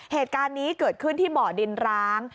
เหตุการณ์นี้เกิดขึ้นที่บ่อดินร้าง